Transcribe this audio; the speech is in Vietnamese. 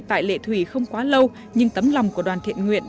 tại lệ thủy không quá lâu nhưng tấm lòng của đoàn thiện nguyện